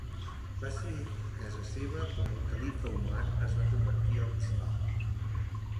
Va ser a casa seva on el califa Umar es va convertir a l'Islam.